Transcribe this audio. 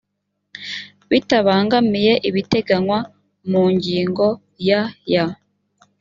bitabangamiye ibiteganywa mu ngingo ya ya